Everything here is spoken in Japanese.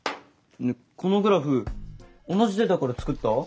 このグラフ同じデータから作った？